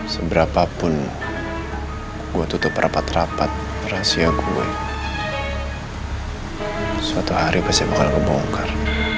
seberapapun gue tutup rapat rapat rahasia gue suatu hari pasti bakal kebongkar